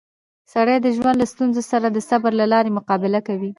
سړی د ژوند له ستونزو سره د صبر له لارې مقابله کوي